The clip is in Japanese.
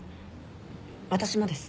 私もです。